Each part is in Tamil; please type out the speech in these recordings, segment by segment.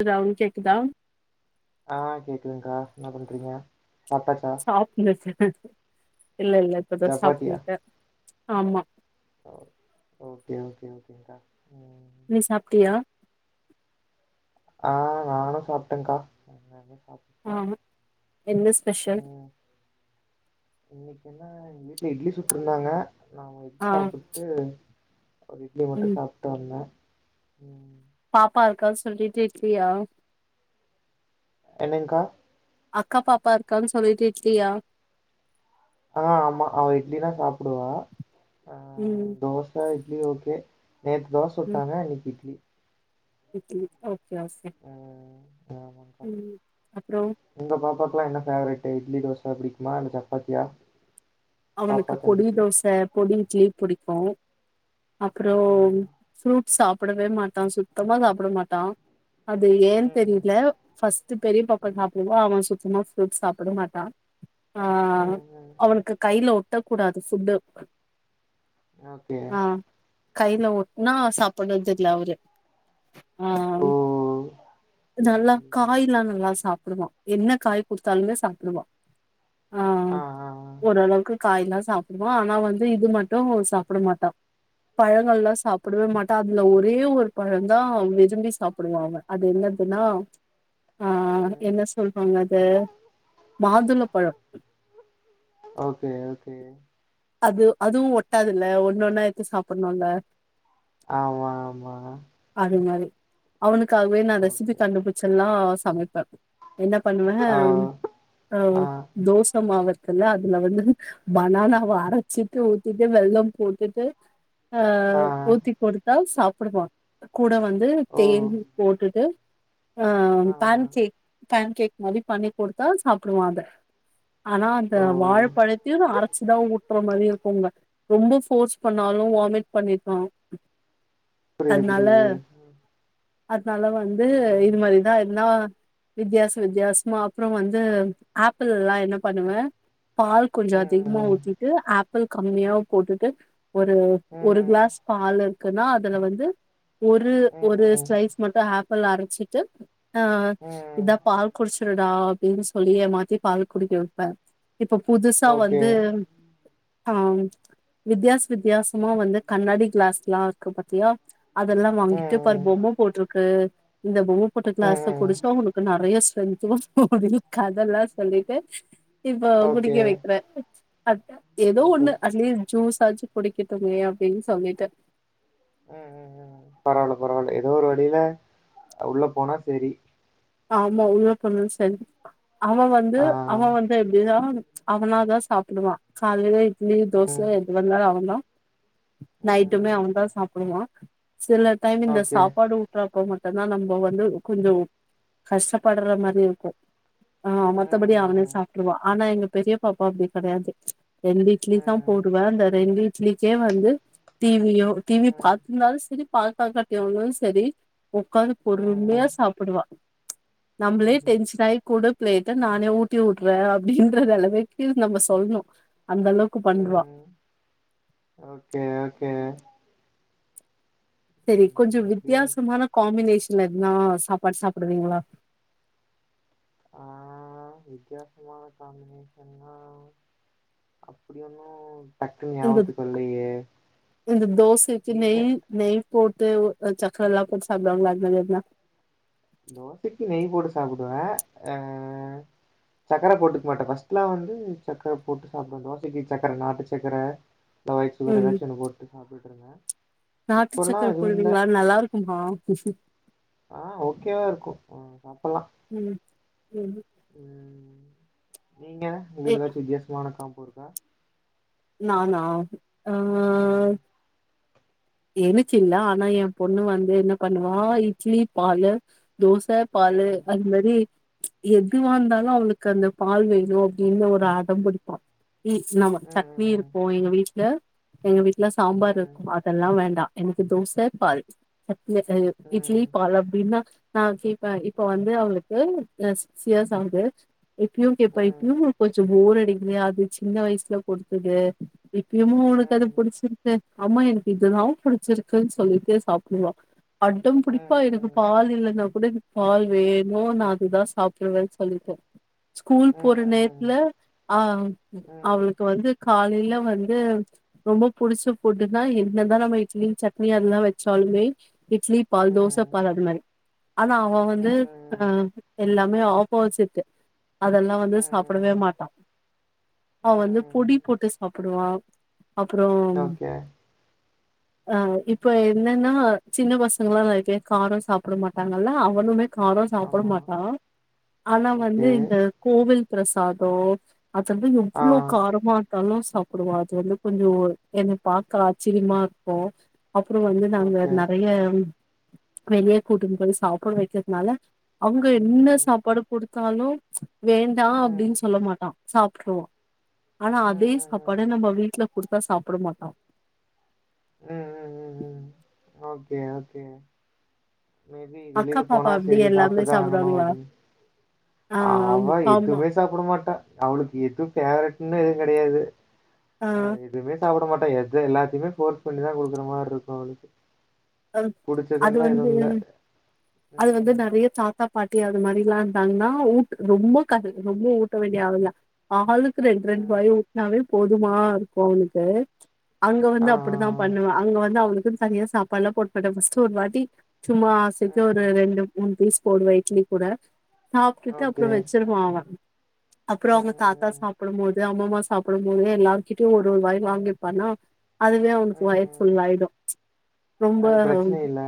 அதாவ் கேக்குதா ஆ கேக்குது கா என்ன பண்றீங்க சாப்டாச்சா சாப்டுனுக்கே இல்ல இல்ல இப்பதா சப்பாத்தியா? சாப்னுக்கே ஆமா ஓ ஓகே ஓகே ஓகேங்கா ம் நீ சாப்ட்டியா ஆ நானு சாப்ட்டேக்கா [inaudible] சாப் ஆஹ என்ன ஸ்பெஷல் ம் இன்னைக்கு என்னா எங்க வீட்ல இட்லி சுட்டு இருந்தாங்க நா வ ஆ சாப்புட் டு ஒரு இட்லி மட்டு ம் சாப்ட்டு வந்தே ம் பாப்பா இருக்கானு சொல்லிட்டு இட்லியா என்னங் கா அக்கா பாப்பா இருக்கான் சொல்லிட்டு இட்லியா ஆ ஆமா அவ இட்லிதா சாப்டுவா ஆ ம் தோச இட்லி ஓகே நேத் தோ ம் சுட்டாங்க இன்னைக் இட்லி இட்லி ஓகே ஒகே ம் ம் அப்றோ ஒங்க பாப்பாக்லா என்ன ஃபேவரைட் இட்லி தோச பிடிக்குமா இல்ல சப்பாத்தியா பாப்பா அவனுக்கு பொடி தம்பிக்கு தோச பொடி இட்லி பிடிக்கு அப்றோ ம் ஃப்ரூட் ஸ் சாப்டவே மாட்டா சுத்தமா சாப்ட மாட்டா அது ஏன் ம் ம் தெரில ஃபஸ்ட் பெரிய பாப்பா சாப்டுனு அவெ சுத்தமா ஃப்ரூட்ஸ் சாப்ட மாட்டா ஆ ம் ம் அவனுக்கு கைல ஒட்ட கூடாது ஃபுட்டு ஓகே ஆ கைல ஒட்னா சாப்புட்றதுல அவரு ஆ ஓ சரி நல்லா சரி சரி காய்ல்லா நல்லா சாப் டுவா என்ன காய் குடுத்தாலுமே சாப்ட்றுவா ஆ ஆ அ ஓரளவுக்கு காய்லா சாப்டுவா ஆனா வந்து இது மட்டு சாப்ட மாட்டா பழங்கள்ளா சாப்புடவே மாட்டா அதுல ஒரே ஒரு பழந்தா விரும்பி சாப்டுவா அவெ அது என்னதுனா ஆ ம் என்ன சொல்வாங்க அத மாதுளப்பழொ ஓகே ஓகே அது அதுவு ஒட்டாதுல்ல ஒன்னொன்னா எடுத்து சாப்பணுல்ல ஆமா ஆமா அது மாரி அவனுக்காகவே நா ரெசிபி ஓகே கண்டுபிடிச்சல்லா சமைப்பே என்ன பண்ணுவே ஆ அவ் ஆ தோச மாவு இருக்குல அதுல வந்து பனானாவ அர அச்சிட்டு ஊத்திட்டு வெல்லோ போட்டுட்டு ஆ ஊத்தி கொடுத்தால் சாப்டுவான் கூட வந்து ஓ தேன் போட்டுட்டு ஆ பேன் கேக் பேன் கேக் மாரி பண்ணி குடுத்தால் சாப்டுவா அத ஆனா அந்த ஓ வாழ பழத்தையு நா அரைச்சுதா ஊ த்துற மாரி இருக்குங்க ரொம்ப ஃபோர்ஸ் பண்ணாலு வாமிட் பண்ணிட்றா புரிது புரிது அதனால வந்து இது மாரிதா இதுனா வித்தியாச வித்தியாசமா அப்பறோ வந்து ஆப்பிள்லா என்ன பண்ணுவே பால் கொஞ்சோ ம் அதிகமா ம் ஊத்தி ஆப்பிள் கம்மியாவ போட்டுட்டு ஒரு ஒரு ம் கிளாஸ் பால் இருக்குன்னா அதுல வந்து ஒரு ஒரு ம் ம் ஸ்லைஸ் மட்டு ஆப்பிள் அரச்சுட்டு ஆ ம் இதா பால் குடிச்சிருடா அப்டின்னு சொல்லி ஏமாத்தி பால் குடிக்க வெப்பே இப்போ புதுசா ஓகே வந்து ஆ ம் வித்தியாச வித்தியாசமா வந்து கண்ணாடி கிளாஸ்லா இருக்கு பாத்தியா அதெல்லாம ம் வாங்கிட்டு பார் ம் பொம்ம போட்டிருக்கு இந்த பொம்மை போட்ட ம் கிளாஸ்ல ம் குடிச்சா உனக்கு நறைய ஸ்ரென்து வரும் அப்டிலா கதெல்லா சொல்லிட்டு இப்ப ஓகே குடிக்க வெக்கிறே அதா ஏதோ ஒன்னு சூப்பர் அட்லீஸ் ஜூஸ்ஸாச்சு குடிக்கட்டுமே அப்டின்னு சொல்லிட்டு அ அ அ பரவால்ல பரவால்ல ஏதோ ஒரு வழியில உள்ள போனா சேரி ஆமா உள்ள போணா சேரி அவ வந்து ஆ அவ வந்து எப்டினா அவனாதா சாப்டுவா காலையில இட்லி தோச ம் எதுவாயிருந்தாலு அவன்தா நைட்டுமே ம் அவன் தா சாப்டுவா சில டைம் இந்த ஓகே சாப்பாடு ஊ ட்றப்ப மட்டும்தா நம்ம வந்து கொஞ்சோ கஷ்டப்பட்றா மாரி இருக்கு ஆ மத்தபடி அவனே ம் சாப் டுறுவா ஆனா எங்க பெரிய பாப்பா அப்டி கெடையாது ரெண்டு இட்லி தா ம் போடுவா அந்த ரெண்டு இட்லி க்கே வந்து டி வி யோ டி வி ம் ம் பாத்திருந்தாலு செரி பாக்காட்டியாலு செரி ஒட்காந்து பொறுமையா ம் சாப்டுவா நம்மளே டென்ஷனாகி குடு பிளேட்ட நானே ஊட்டி உட்றே அப்டின்ற அளவுக்கு நம்ம சொல்லணு அந்த அளவுக்கு பண்ருவா ம் ஓகே ஓகே சேரி கொஞ்சோ ம் எப்டியு வித்தியாசமான காம்பினேஷன்ல இருந்தா சாப்பாடு சாப்டுவீங்ளா ஆ வித்தியாசமான காம்பினேஷன்னா அப்புடி ஒன்னு டக்குன்னு இந்த ஞாபத்துக்கு வரலையே இந்த தோசைக்கு நீங்க நெய் நெய் போட்டு சக்கரல்லா போட்டு சாப்டுவாங்கல அந்த மாரி தா தோசைக்கு நெய் போட்டு சாப்புடுவே அ சக்கர போட்டுக்க மாட்டே ஃபர்ஸ்ட்லாம் வந்து சர்க்கர போட்டு சாப்புடுவே தோசைக்கு சர்க்கர நாட்டு சக்கர காய் சுகர் ம் ஏதாச்சி ஒன்னு போட்டு சாப்டுட்டு இருந்த நாட்டு சக்கர போடுவீங்ளா நல்லா இருக்குமா ஆ ஓகேவா இருக்கு சாப்பட்லா ம் ம் ம் ம் நீங்க ஏ உங்களுக்கு ஏதாச்சி வித்தியாசமான காம்போ இருக்கா நானா அ ம், எனுக்கு இல்ல ஆனா எயா பொண்ணு வந்து என்ன பண்ணுவா இட்லி பாலு தோச பாலு ம், அந்த மாரி எதுவா இருந்தாலு அவுளுக்கு அந்த பாலு வேணும் அப்புடின்னு ஒரு அடம் புடிப்பா இ நம்ப சட்னி ம், இருக்கு எங்க வீட்ல எங்க வீட்ல சாம்பார் ம், இருக்கு அ அதெல்லா வேண்டா எனக்கு தோச பால் சட் ம், இட்லி ம், பால் அப்டின்னா நா கேப் ப இப்ப வந்து அவங்களுக்கு சிக்ஸ் இயர்ஸ் ஆவுது இப்பியு கேப்பா ம், இப்பியு கொஞ்சோ போர் அடிக்க அது சின்ன வயசுல கொடுத்தது இப்பயுமே உனக்கு அது ம், புடிச்சிரு கு அம்மா எனக்கு இதுதா புடிச்சிருக்குன்னு சொல்லிட்டே சாப்புட்ருவா அடம் ம், புடிப்பா எனக்கு ம், பால் இல்லைன்னா கூட பால் வேணு நா அதுதா சாப்புடுவேன்னு சொல்லிட்டு ஸ்கூல் போற ம், நேரத்துல அ ம், அவுளுக்கு வந்து காலையில வந்து ரொம்ப புடிச்ச ஃபுட்னா என்னதா நம்ம இட்லி சட்னி அதெல்லா வெச்சாலுமே இட்லி பால் தோச ம், பால் அது மாரி ஆனா அவ ம், வந்து அ ம், எல்லாமே ஆப் போசிட்டு அதெல்லா வந்து சாப்டவே ம், மாட்டா அவ வந்து ம். பொடி போட்டு சாப் டுவா அப்பறோம் ஓகே. ஆ இப்ப என்னன்னா சின்ன பசங்களா நெறய பேர் காரோ சாப்ட மாட்டாங்கல்ல அவனுமே காரோ சாப்ட ஆமா. மாட்டா ஆனா வந்து ஓகே. இந்த கோவில் பிரசாதோ அது வந்து ஆ. எவ்வளோ காரமா இருந்தாலு சாப்டுவா அது வந்து கொஞ்சோ எனக்கு பாக்க ஆச்சிர்யமா இருக்கு அப்பறோ வந்து நாங்க ஓகே. நெறைய வெளிய கூட்டுன்னு போய் சாப்ட வைக்கிறதுனால அவுங்க என்ன ம், சாப்பாடு குடுத்தாலு வேண்டா ம், அப்டின் சொல்ல மாட்டா சாப்ட்ருவா ஆனா ம், அதே ம், ம், சாப்பாட நம்ம வீட்ல குடுத்தா சாப்ட மாட்டா ம் ம் ம் ம் ஓகே ஓகே மே பி அக்கா, வெளில பாப்பா போனா அப்படி சேரி எல்லாமே சாப்ட்டுதா ஆகணு சாப்பிடுவாங்களா? அப்டின் ஆ அவ ஆமா ஆமா. எதுமே சாப்ட மாட்டா அவளுக்கு எது பேவரட்ன்னே எதுவு கெடையாது ஆ எதுமே சாப்ட மாட்ட எது எல்லாத்தயுமே போர்ஸ் பண்ணிதா குடுக்குற மாரி இருக்கு அவளுக்கு அம் அது புடிச்சதுன்லாம் வந்து எதுவும் இல்ல. அது வந்து ம், நெறைய தா த்தா பாட்டி அது மாரில்லா இருந்தாங்கன்னா ஊட் ரொம்ப கத ரொம்ப ஊட்ட வேண்டிய ஆவல்ல ஆளுக் கு ரெண்டு ரெண்டு ம். வாய் ஊட்னாவே போதுமா இருக்கு அவனுக்கு அங்க வந்து ஆ, ஆ, அப்டிதா பண்ணுவே அங்க வந்து அவளுக்குன்னு தனியா சாப்பாடுல்லா போட மாட்டே ஃபர்ஸ்ட் ஒரு வாட்டி சும்மா ஆ. ஆசைக்கு ஒரு ம். ரெண்டு மூணு பீஸ் போடுவே இட்லி கூட சாப்ட்டுட்டு அப்பறோ ஓகே. வச்சிருவா அவே அப்பறோ ம், அவுங்க தாத்தா ம், ம். சாப்டும் போது அம்மம்மா சாப்டும் போது எல்லார்கிட்டயு ஒரு ஒரு வாய் வாங்கிப்பானா அதுவே அவனுக்கு வயிறு ம். ஃபுல்லாயிடு ரொம்ப அது பிரச்சனை இல்ல.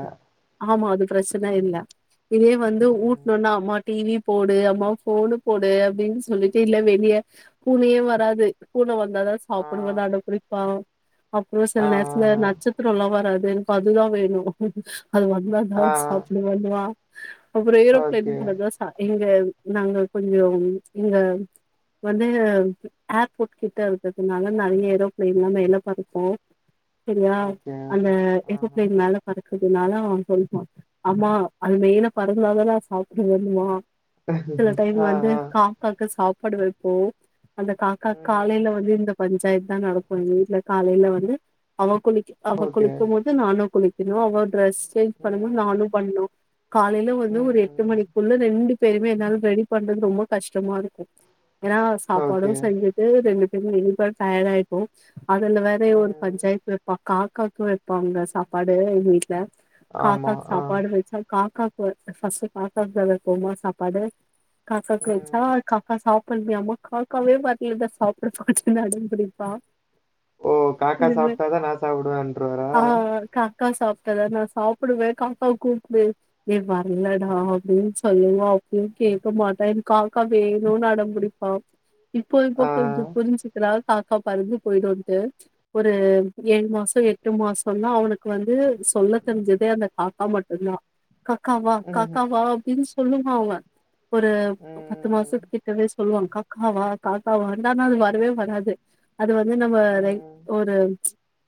ஆமா அது பிரச்சனை இல்ல இதே வந்து ம். ஊட்னோன்னா அம்மா டி வி போடு அம்மா ஃபோனு போடு அப்டின்னு சொல்லிட்டு இல்ல வெளிய பூனையே வராது பூனை வ ந்தாதா ஆ, சாப்டுவேன்னு அடோ பிடிப்பா அப்பறோ சில ஆ, நேரத்துல நட்சத்திரோல்லா வராது அதுதா வேணு அது வந்தா தா ஆ, ஆ. சாப்டுவேன்னுவா அப்பறோ ஓகே, ஏரோபிளேன் போனாதா சா எங்க நாங்க கொஞ்சோ எங்க வந்து ஏர்போர்ட் கிட்ட இருக்கதுனால நெறைய ஏரோப்ளேன்ல்லா மேல பறக்கு சரியா ஓகே அந்த ஓகே ஆமா ஏரோபிளைன் மேல பறக்குதுனால அவே சொல்லுவா அம்மா அது மேல பறந்தாதா நா சாப்டுவேன்னுவா சில டைம் ஆ, வந்து ஆ. கா க்காக்கு சாப்பாடு வைப்போ அந்த காக்கா ம். காலேல வந்து இந்த பஞ்சாயத்துதா நடக்கு எங்க வீட்ல காலேல வந்து அவ குளிக்க அவ ஓகே. குளிக்கும்போது நானு குளிக்கணு அவ டிரஸ் சேஞ்ச் ம். பண்ணும்போது நானு பண்ணணு காலேல ம், வந்து ஒரு ம், எட்டு ம். மணிக்குள்ள ரெண்டு பேருமே என்னால ரெடி பண்றது ரொம்ப கஷ்டமா இருக்கு ஏன்னா சாப்பாடு ஓகே. செஞ்சிட்டு ரெண்டு பேரயு ரெடி பண்ண டயர்டு ஆயிடுவோ அதுல வேற இவ ஒரு ம். பஞ்சாயத்து வைப்பா காகாக்கு வைப்பாங்க சாப்பாடு எங்க வீட்ல ஆமா. காக்காக்கு ஆ. சாப்பாடு வச்சா காக்காக்கு ஃபர்ஸ்ட் காக்காக்கு தா வைபோமா சாப்பாடு காக்காக்கு வச்சா ம். காக்கா சாப்ட்ல்லயாமா காக்கவே வரல நா சாப்ட மாட்டேன்னு அடம்பிடிப்பா ஓ காக்கா சாப்ட்டாதா நா சாப்டுவேன்றுவரா ஆ காக்கா சாப்ட்டாத நா சாப்டுவே காக்காவ கூப்டு டேய் வரலடா அப்டின்னு சொல்லுவோ அப்பவு கேட்க மாட்டே எனக்கு காக்கா வேணுன்னு அடம் பிடிப் பா இப்போ இப்போ ஆ. கொஞ்சோ புரிஞ்சி ரா காக்கா பறந்து போயிடுன்ட்டு ஒரு ஏழு மாசோ எட்டு மாசோனா அவனு க்கு வந்து சொல்ல தெரிஞ்சதே அந்த காக்கா மட்டுதா காக்காவா ம்ஹ்ம். காக்காவா அப்டின்னு சொல்லுவா அவ ஒரு ம், பத்து ம், ம். மாசத்து கிட்டவே சொல்லுவாங்க்கா க்காவா காக்காவா வந்தானா அது வரவே வராது அது வந்து நம்ம ம், லைக் ம். ஒரு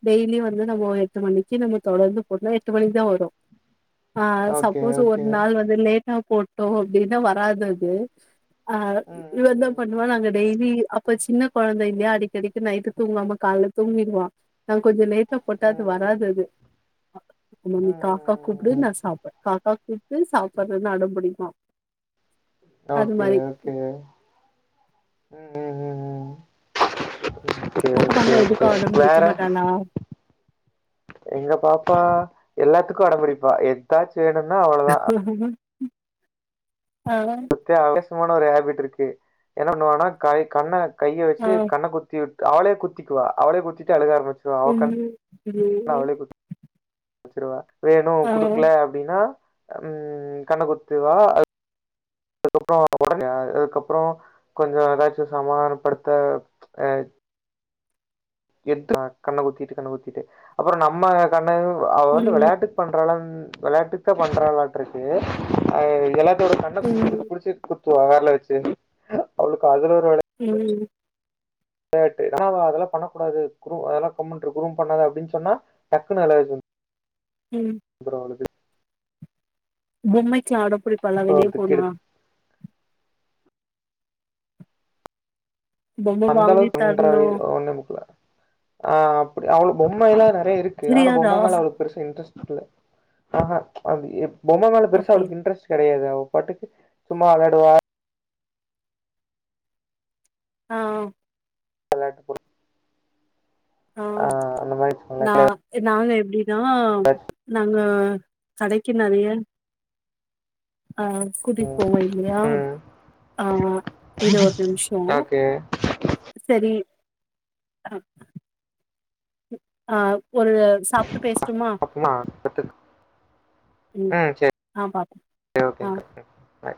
டெய்லி வந்து நம்போ எட்டு மணிக்கு நம்ம தொடர்ந்து போட்னா எட்டு மணிக்கு தா வரு ஆ ஓகே, சப்போஸ் ஒரு ஓகே. நாள் வந்து லேட்டா போட்டோ அப்டின்னா வராது அது ஆ ம், இவ ம், என்னப் பண்ணுவா நாங்க டெய்லி அப்ப சின்ன கொழந்த இல்லயா அடி க்கடிக்கி நைட்டு தூங்காம கால்ல தூங்கிருவா நாங்க கொஞ்சோ லேட்டா போட்டா ம். அது ம். வராது அது அம்மா ம், நீ ம், காக்கா கூப்டு ம், ம். நா சாப்பட் காக்கா கூப்டு சாப்படறன்னு அடம் புடிப்பா ஓகே ஓகே ம் ம் ம் ம் ஓகே ஓகே பாப்பாலா எதுக்கு ஓகே அடம்புடிக்க வேற மாட்டாளா எங்க பாப்பா எல்லாத்துக்கு அடம்புடிப்பா எதாச்சு வேணுன்னுன்னா அவ ஆ [unintelligible] ஆவேசமான ஒரு ஹேபிட் இருக்கு என்ன பண்ணுவானா கை கண்ண கைய ஆ வச்சு கண்ண குத்தி உட் அவளே குத்திக்குவா அவளே குத்திட்டு அழுக ஆரம்பிச் ஒன்னு [unintelligible] சுருவா வேணு ஆ குடுக்கல அப்டின்னா ம் கண்ணக்குத்திவா அ அதுக்கப்புறோ [inaudible] அதுக்கப்புறோ கொஞ்சோ எதாச்சு சமாதானப்படுத்த அ எட்றா கண்ண குத்திட்டு கண்ண குத்திட்டு அப்புறோ நம்ம கண்ண அவ வந்து ம் விளையாட்டுக் பண்றாளன் வெளாட்டுக்கா பண்றாளாட்ருக்கு அ எலாத்தோட கண்ண புடிச்சுட் ம் புடிச்சுட் குத்துவா வெரல வச்சு அவளுக்கு அதுல ஒரு வெளா ம் வெளாட்டு நா வேற அதெல்லா பண்ணக்கூடாது குரு அதல்லா கம்முண்ட்டிரு குரும் பண்ணாத அப்டின்னு சொன்னா டக்குன்னு [unintelligible] ம் வந்துரு அவளுக்கு பொம்மைக்கலா அடம் புடிப்பாலா இதுக்கு வெளியப்போனா எடு- பொம்ம அந்த வாங்கி அளவுக்கு தரணு தொந்தரவு ஒன்னு [unintelligible] ஆ அப்டி அவுளுக் பொம்மைல்லா நெறைய இருக்கு ஆனா தெரியாதா பொம்ம மேல அவளுக் பெருசா இன்ட்ரஸ்ட் இல்ல ஆ ஹா அது எப் பொம்ம மேல பெருசா அப்டின் அவளுக்கு இன்ட்ரஸ்ட் கெடையாது அவ பாட்டுக்கு சும்மா வெளாடுவா ஆ வெளாட்டுக் கூட ஆ ஆஹ் அந்த மாதிரி நா வச்சுக்கோங்களேன் நாங்க எப்டினா நாங்க கடைக்கு நறைய ஆ கூட்டிட்போவோ இல்லையா ம் ஆ இரு ஒரு நிமிஷோ ஓகே சரி அ ஆ ஒரு சாப்ட்டு பேசட்டுமா அப்பமா பத்து. ம் ஆ பாப்போ ஆ ஓகேங்க ம்